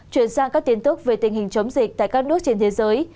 chuyển sang các tin tức về tình hình chống dịch tại các nước trên thế giới